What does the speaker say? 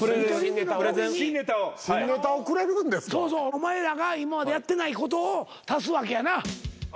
お前らが今までやってないことを足すわけやな。